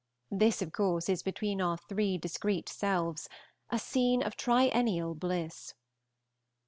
This, of course, is between our three discreet selves, a scene of triennial bliss.